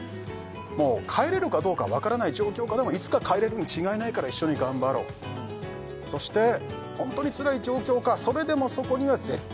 もう帰れるかどうか分からない状況下でもいつか帰れるに違いないから一緒に頑張ろうそしてホントにつらい状況下